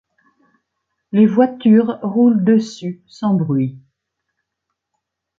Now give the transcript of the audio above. Les voitures roulent dessus sans bruit.